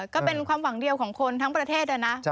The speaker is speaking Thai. ก็เป็นความหวังเดียวของคนทั้งประเทศนะ